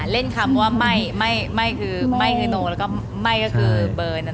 เล่นคำว่าไหม้ไหม้คือหนูแล้วก็ไหม้ก็คือเบิร์น